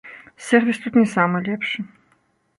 Сэрвіс тут не самы лепшы.